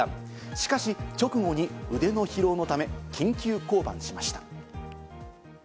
しかし、直後に腕の疲労のため緊急降板しました。